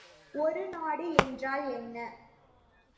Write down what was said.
ஒரு நாடு என்றால் என்ன?